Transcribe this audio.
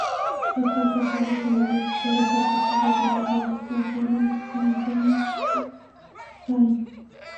Está casada con el editor ejecutivo de la revista Rolling Stone Jason Fine.